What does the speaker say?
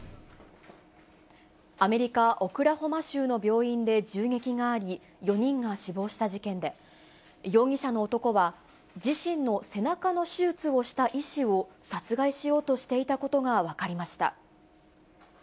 アメリカ・オクラホマ州の病院で銃撃があり、４人が死亡した事件で、容疑者の男は、自身の背中の手術をした医師を殺害しようとしていたことが分かりました。